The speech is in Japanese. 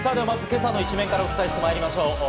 まず今朝の一面からお伝えしてまいりましょう。